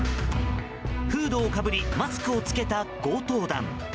フードをかぶりマスクを着けた強盗団。